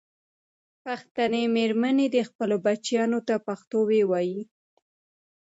پښتنې مېرمنې دې خپلو بچیانو ته پښتو ویې ویي.